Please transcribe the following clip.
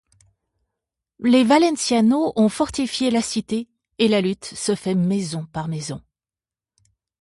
Les valencianos ont fortifié la cité et la lutte se fait maison par maison.